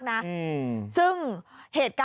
สวัสดีครับ